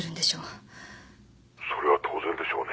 ☎それは当然でしょうね。